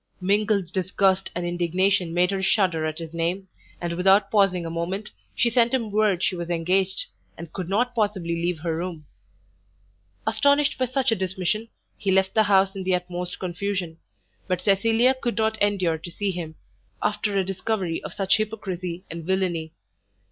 Mingled disgust and indignation made her shudder at his name, and without pausing a moment, she sent him word she was engaged, and could not possibly leave her room. Astonished by such a dismission, he left the house in the utmost confusion. But Cecilia could not endure to see him, after a discovery of such hypocrisy and villainy.